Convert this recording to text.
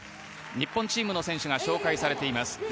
日本チームの選手が紹介されています。